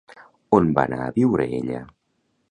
On va anar a viure ella?